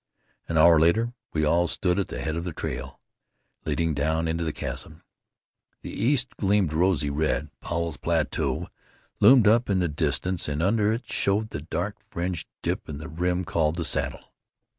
An hour later we all stood at the head of the trail leading down into the chasm. The east gleamed rosy red. Powell's Plateau loomed up in the distance, and under it showed the dark fringed dip in the rim called the Saddle.